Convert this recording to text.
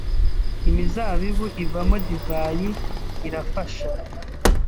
imizabibu ivamo divayi irafasha